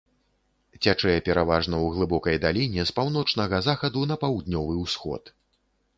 Цячэ пераважна ў глыбокай даліне з паўночнага захаду на паўднёвы ўсход.